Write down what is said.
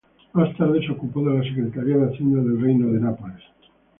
Más tarde se ocupó de la secretaría de hacienda del Reino de Nápoles.